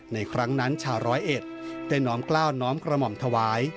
ในครั้งนั้นชาวร้อยเอ็ดได้น้อมกล้าวน้อมกระหม่อมถวาย